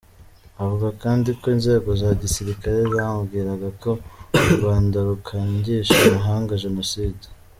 Avuga kandi ko inzego za gisirikare zamubwiraga ko u Rwanda rukangisha amahanga Jenoside.